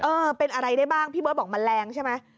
เออเป็นอะไรได้บ้างพี่เบิร์ตบอกมันแรงใช่ไหม